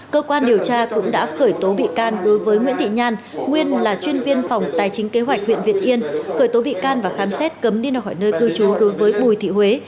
cơ quan điều tra cũng đã khởi tố bị can đối với nguyễn thị nhan nguyên là chuyên viên phòng tài chính kế hoạch huyện việt yên khởi tố bị can và khám xét cấm đi khỏi nơi cư trú đối với bùi thị huế